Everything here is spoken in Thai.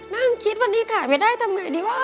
นั่งคิดวันนี้ขายไม่ได้ทำไงดีวะ